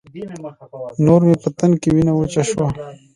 نور مې په تن کې وينه وچه شوه.